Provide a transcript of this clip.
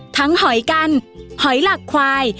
หอยกันหอยหลักควาย